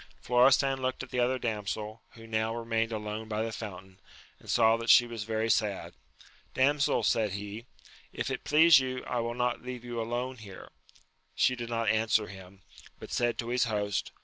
Florestan looked at the other damsel, who now remained alone by the fountain, and saw that she was very sad. Damsel, said he, if it please you, I will not leave you here alone. She did not answer him, but said to his host.